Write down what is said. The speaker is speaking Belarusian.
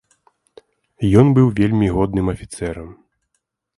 Ён быў вельмі годным афіцэрам.